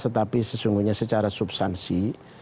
tetapi sesungguhnya secara subsansi